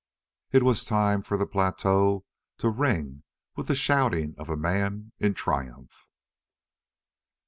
It was time for the plateau to ring with the shouting of a man in triumph!